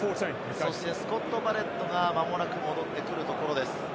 スコット・バレットが間もなく戻ってくるところです。